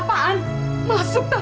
keluar keluar keluar semua keluar